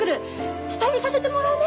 下見させてもらうね。